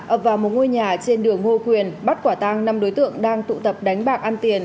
ập vào một ngôi nhà trên đường ngô quyền bắt quả tăng năm đối tượng đang tụ tập đánh bạc ăn tiền